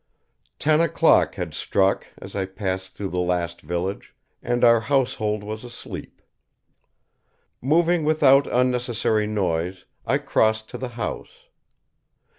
Ten o'clock had struck as I passed through the last village, and our household was asleep. Moving without unnecessary noise, I crossed to the house.